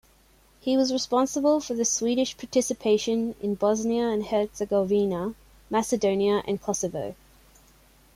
He was responsible for the Swedish participation in Bosnia and Herzegovina, Macedonia, and Kosovo.